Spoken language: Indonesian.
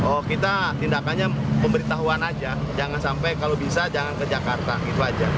oh kita tindakannya pemberitahuan aja jangan sampai kalau bisa jangan ke jakarta itu aja